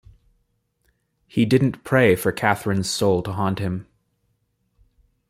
He didn’t pray for Catherine’s soul to haunt him.